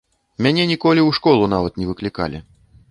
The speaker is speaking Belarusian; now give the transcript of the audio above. Мяне ніколі ў школу нават не выклікалі.